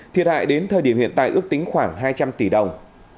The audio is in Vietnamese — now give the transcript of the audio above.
thiệt hại đến thời điểm hiện tại ước tính khoảng hai trăm linh tỷ đồng